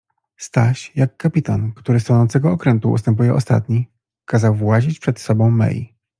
Staś jak kapitan, który z tonącego okrętu ustępuje ostatni, kazał włazić przed sobą Mei.